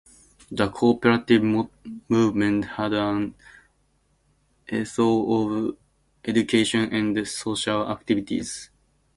The Co-Operative movement had an ethos of Education and Social Activities.